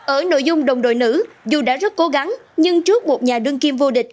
ở nội dung đồng đội nữ dù đã rất cố gắng nhưng trước một nhà đương kim vô địch